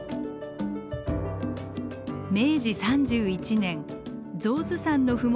明治３１年象頭山の麓